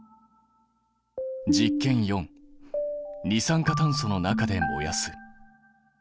実験４二酸化炭素の中で燃やす。